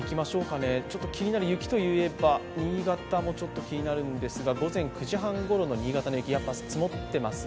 気になる雪といえば、新潟もちょっと気になるんですが、午前９時半ごろの新潟、やっぱりちょっと積もっていますね。